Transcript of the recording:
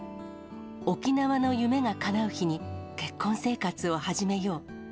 沖縄の夢がかなう日に結婚生活を始めよう。